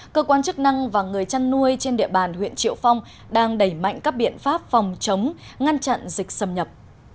cơ quan chức năng và người chăn nuôi trên địa bàn huyện triệu phong đang đẩy mạnh các biện pháp phòng chống ngăn chặn dịch xâm nhập